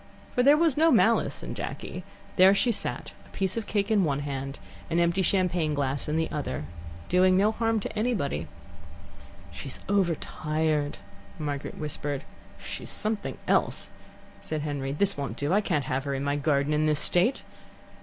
For there was no malice in Jacky. There she sat, a piece of cake in one hand, an empty champagne glass in the other, doing no harm to anybody. "She's overtired," Margaret whispered. "She's something else," said Henry. "This won't do. I can't have her in my garden in this state."